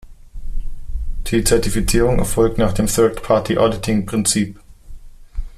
Die Zertifizierung erfolgt nach dem "Third Party Auditing"-Prinzip.